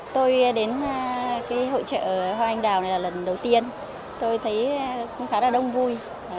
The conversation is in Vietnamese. tôi đến cái hội trợ hoa anh đào này là lần đầu tiên tôi thấy cũng khá là đông vui